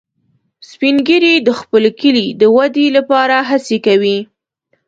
سپین ږیری د خپل کلي د ودې لپاره هڅې کوي